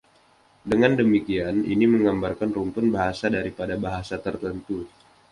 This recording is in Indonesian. Dengan demikian, ini menggambarkan rumpun bahasa daripada bahasa tertentu.